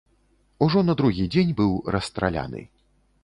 Ужо на другі дзень быў расстраляны.